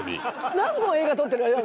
何本映画撮ってる。